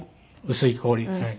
薄い氷はい。